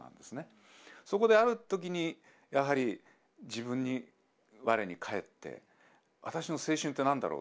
そこである時にやはり我に返って私の青春って何だろう？